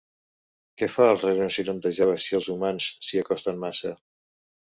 Què fa el rinoceront de Java si els humans s'hi acosten massa?